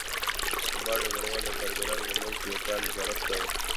سبا ډګروال د کارګرانو په منځ کې د کار نظارت کاوه